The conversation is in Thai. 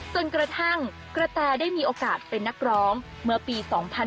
จนกระทั่งกระแตได้มีโอกาสเป็นนักร้องเมื่อปี๒๕๕๙